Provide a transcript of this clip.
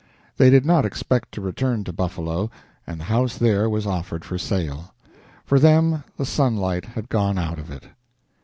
They did not expect to return to Buffalo, and the house there was offered for sale. For them the sunlight had gone out of it.